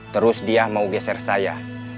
terus dia mau geser saya